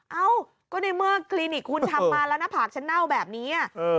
เอ้าก็ในเมื่อคลินิกคุณทำมาแล้วหน้าผากฉันเน่าแบบนี้